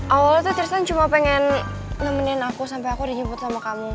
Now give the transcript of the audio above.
awalnya tuh tristan cuma pengen nemenin aku sampai aku dijemput sama kamu